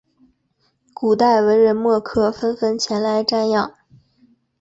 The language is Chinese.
古代文人墨客纷纷前来瞻仰。